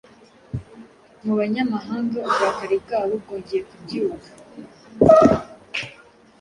mu banyamahanga, uburakari bwabo bwongeye kubyuka.